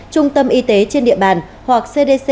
trung tâm y tế trên địa bàn hoặc cdc